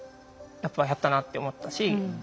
やっぱ「やったな」って思ったし。